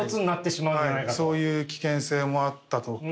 そういう危険性もあったと。